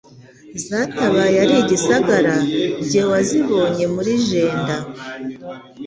Zatabaye ari igisagara. Jye waziboneye muri Jenda,